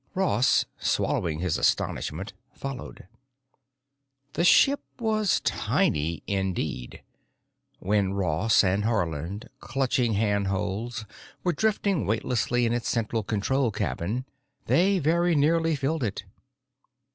Ross, swallowing his astonishment, followed. The ship was tiny indeed. When Ross and Haarland, clutching handholds, were drifting weightlessly in its central control cabin, they very nearly filled it.